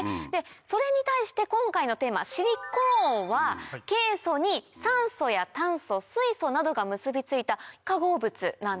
それに対して今回のテーマシリコーンはケイ素に酸素や炭素水素などが結び付いた化合物なんです。